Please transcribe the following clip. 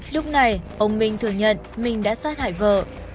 lúc này ông minh thừa nhận mình đã sát hại vợ